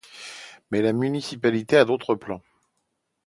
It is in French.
Mais la municipalité a d'autres plans.